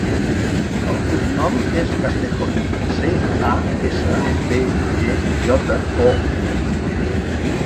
El cognom és Castejon: ce, a, essa, te, e, jota, o, ena.